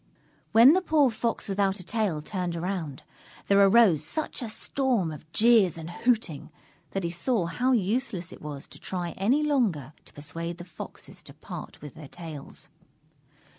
When the poor Fox Without a Tail turned around, there arose such a storm of jeers and hooting, that he saw how useless it was to try any longer to persuade the Foxes to part with their tails.